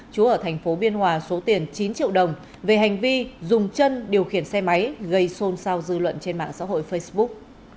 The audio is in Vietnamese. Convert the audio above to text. chú ở thành phố biên hòa số tiền chín triệu đồng về hành vi dùng chân điều khiển xe máy gây xôn xao dư luận trên mạng xã hội facebook